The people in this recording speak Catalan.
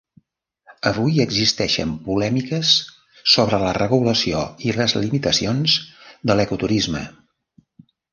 Avui existeixen polèmiques sobre la regulació i les limitacions de l'ecoturisme.